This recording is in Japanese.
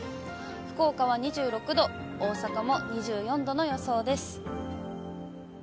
福岡は２６度、大阪も２４度の予想です。